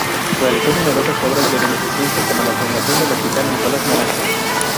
Realizó numerosas obras de beneficencia, como la fundación del Hospital Nicolás Naranjo.